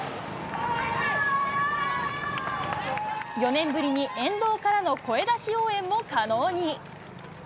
４年ぶりに沿道からの声出し応援も可能に。